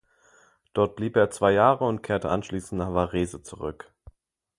Dort blieb er zwei Jahre und kehrte anschließend nach Varese zurück.